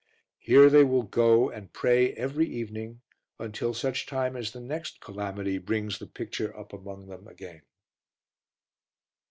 Here they will go and pray every evening until such time as the next calamity brings the picture up among them again.